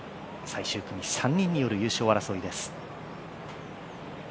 最終組、３人による優勝争いです。